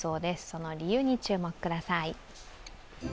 その理由に注目ください。